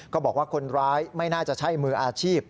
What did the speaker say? ก็บอกว่าคนร้ายไม่น่าจะใช่มืออาชีพ